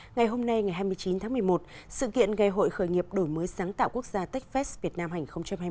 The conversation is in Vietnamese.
ngày hôm nay ngày hai mươi chín tháng một mươi một sự kiện ngày hội khởi nghiệp đổi mới sáng tạo quốc gia techfest việt nam hành hai mươi